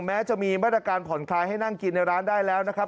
แม้จะมีมาตรการผ่อนคลายให้นั่งกินในร้านได้แล้วนะครับ